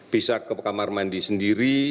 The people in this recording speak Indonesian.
bisa ke kamar mandi sendiri